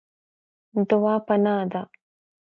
دعا پناه ده.